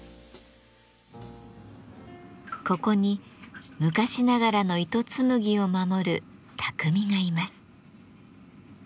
ここに昔ながらの糸紡ぎを守る匠がいます。